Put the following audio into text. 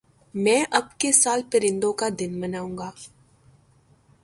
میں اب کے سال پرندوں کا دن مناؤں گا